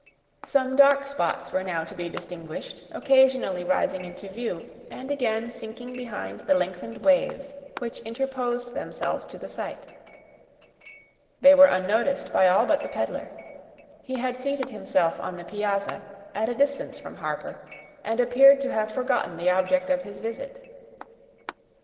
Some dark spots were now to be distinguished, occasionally rising into view, and again sinking behind the lengthened waves which interposed themselves to the sight. They were unnoticed by all but the peddler. He had seated himself on the piazza, at a distance from Harper, and appeared to have forgotten the object of his visit.